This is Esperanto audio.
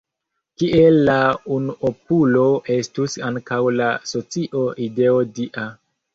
Kiel la unuopulo estus ankaŭ la socio ideo dia.